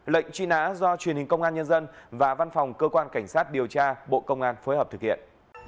lệnh truy nã do truyền hình công an nhân dân và văn phòng cơ quan cảnh sát điều tra bộ công an phối hợp thực hiện